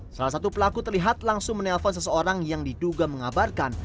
salah satu pelaku terlihat langsung menelpon seseorang yang diduga mengabarkan